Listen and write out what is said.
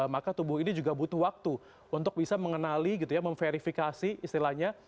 maka tubuh ini juga butuh waktu untuk bisa mengenali gitu ya memverifikasi istilahnya